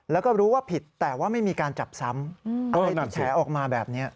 แล้วก็รู้ว่าผิดแต่ว่าไม่มีการจับซ้ำอะไรที่แฉออกมาแบบนี้